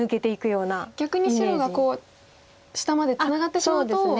逆に白が下までツナがってしまうと。